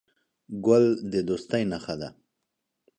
ګل د دوستۍ نښه ده.